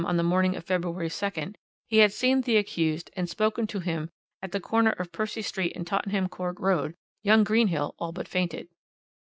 on the morning of February 2nd he had seen the accused and spoken to him at the corner of Percy Street and Tottenham Court Road, young Greenhill all but fainted.